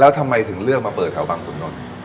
แล้วทำไมถึงเลือกมาเปิดแถวบางขุนนท์